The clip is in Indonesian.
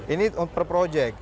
ini per proyek